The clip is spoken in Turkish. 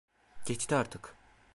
Geçti artık.